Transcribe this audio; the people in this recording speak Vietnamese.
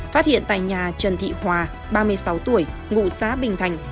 phát hiện tại nhà trần thị hòa ba mươi sáu tuổi ngụ xã bình thành